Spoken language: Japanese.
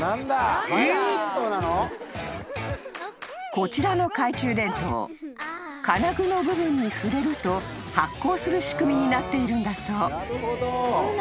［こちらの懐中電灯金具の部分に触れると発光する仕組みになっているんだそう］